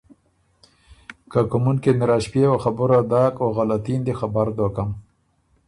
که کُومُن کی نِر ا ݭپيېوه خبُره داک، او غلطي ن دی خبر دوکم۔